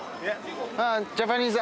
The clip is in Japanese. ああジャパニーズ